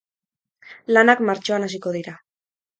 Lanak martxoan hasiko dira.